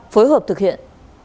phối hợp thực hiện